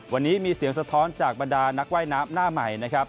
วันนี้มีเสียงสะท้อนจากบรรดานักว่ายน้ำหน้าใหม่นะครับ